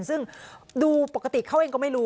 ซึ่งดูปกติเขาเองก็ไม่รู้